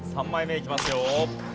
３枚目いきますよ。